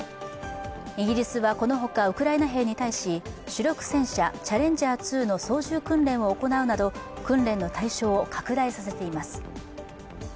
イギリスはこのほか、ウクライナ兵に対し、主力戦車・チャレンジャー２の操縦訓練を行うなど訓練の対象を拡大させています。